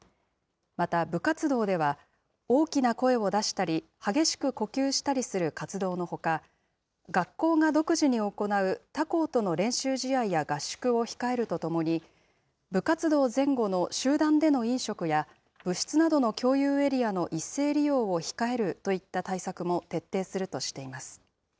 また部活動では、大きな声を出したり、激しく呼吸したりする活動のほか、学校が独自に行う他校との練習試合や合宿を控えるとともに、部活動前後の集団での飲食や、部室などの共有エリアの一斉利用を控えるといった対策も徹底するとしています。